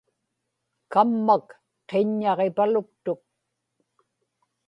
kammak qiññaġipaluktuk